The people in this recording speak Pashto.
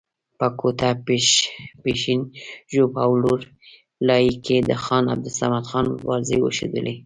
په کوټه، پښین، ژوب او لور لایي کې د خان عبدالصمد خان مبارزې وښودلې.